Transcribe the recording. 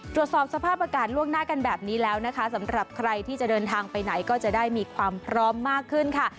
ตรวจสอบสภาพอากาศล่วงหน้ากันแบบนี้แล้วนะคะสำหรับใครที่จะเดินทางไปไหนก็จะได้มีความพร้อมมากขึ้นค่ะ